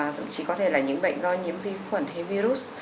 thậm chí có thể là những bệnh do nhiễm vi khuẩn hay virus